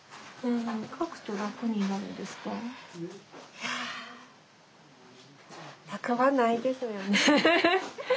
いや楽はないですよねうん。